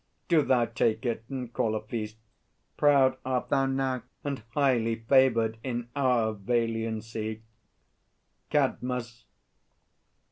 Do thou Take it, and call a feast. Proud art thou now And highly favoured in our valiancy! CADMUS.